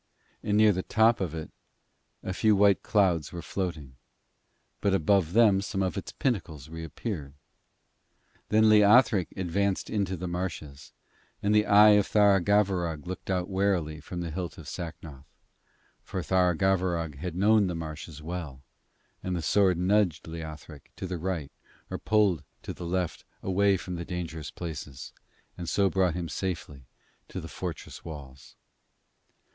And near the top of it a few white clouds were floating, but above them some of its pinnacles reappeared. Then Leothric advanced into the marshes, and the eye of Tharagavverug looked out warily from the hilt of Sacnoth; for Tharagavverug had known the marshes well, and the sword nudged Leothric to the right or pulled him to the left away from the dangerous places, and so brought him safely to the fortress walls.